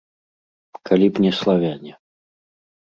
Калі б не славяне.